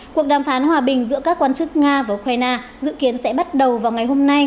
cuộc đàm phán hòa bình giữa các quan chức nga và ukraine dự kiến sẽ bắt đầu vào ngày hôm nay